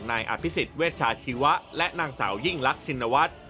นายอภิษฎเวชาชีวะและนางสาวยิ่งรักชินวัฒน์